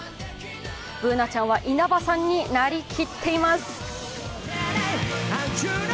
Ｂｏｏｎａちゃんは稲葉さんになりきっています。